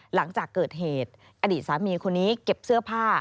หลังจากเกิดเหตุอดีตสามีคนนี้เก็บเสื้อผ้า